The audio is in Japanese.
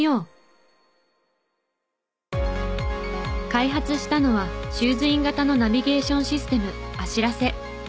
開発したのはシューズイン型のナビゲーションシステムあしらせ。